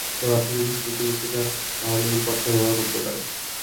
তবে আপনি যদি দ্রুত যেতে চান, তাহলে এই পথটা ব্যবহার করতে পারেন।